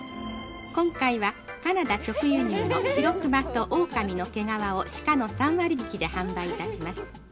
今回はカナダ直輸入のシロクマとオオカミの毛皮を市価の３割引きで販売いたします。